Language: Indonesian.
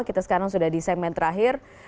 kita sekarang sudah di segmen terakhir